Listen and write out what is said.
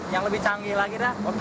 yang lebih canggih lagi dah